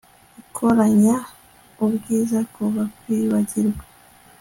ikoranya ubwiza kuva kwibagirwa